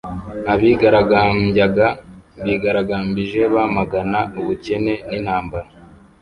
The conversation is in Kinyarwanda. Abigaragambyaga bigaragambije bamagana ubukene n'intambara